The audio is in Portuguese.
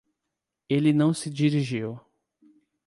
Ele não se dirigiu.